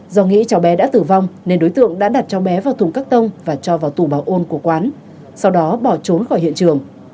do nghĩ cháu bé đã tử vong nên đối tượng đã đặt cháu bé vào thùng cắt tông và cho vào tủ bảo ôn của quán sau đó bỏ trốn khỏi hiện trường